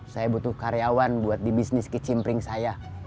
saya butuh karyawan buat di bisnis kimpling saya